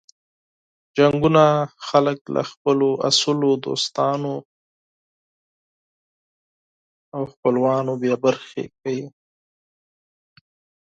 جنګونه خلک له خپلو اصلو دوستانو او خپلوانو بې برخې کوي.